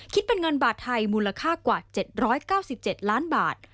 คิดเป็นเงินบาทไทยมูลค่ากว่า๗๙๗ล้านบาท